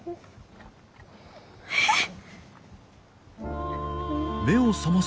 えっ？